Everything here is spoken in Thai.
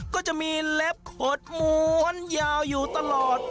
ก็จะมีเล็บขดม้วนยาวอยู่ตลอด